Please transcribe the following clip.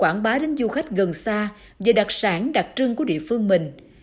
quảng bá đến du khách gần xa về đặc sản đặc trưng của địa phương mình